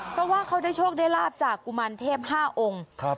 เพราะว่าเขาได้โชคได้ลาบจากกุมารเทพ๕องค์